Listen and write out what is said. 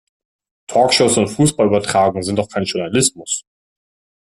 Talkshows und Fußballübertragungen sind doch kein Journalismus!